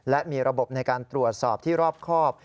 และมีระบบในการตรวจสอบที่รอบครอบ